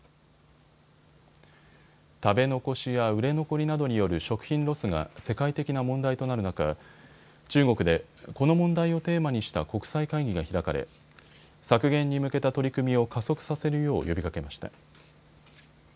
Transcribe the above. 食べ残しや売れ残りなどによる食品ロスが世界的な問題となる中、中国でこの問題をテーマにした国際会議が開かれ削減に向けた取り組みを加速させるよう呼びかけました。